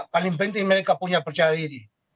paling penting mereka punya percaya diri